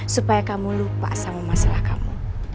supaya kamu lupa sama masalah kamu